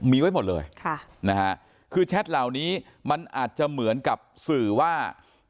มีไว้หมดเลยค่ะนะฮะคือแชทเหล่านี้มันอาจจะเหมือนกับสื่อว่า